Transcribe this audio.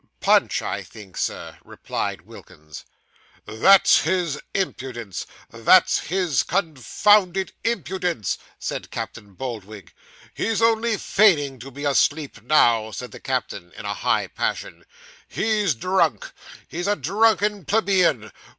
'Punch, I think, sir,' replied Wilkins. 'That's his impudence that's his confounded impudence,' said Captain Boldwig. 'He's only feigning to be asleep now,' said the captain, in a high passion. 'He's drunk; he's a drunken plebeian.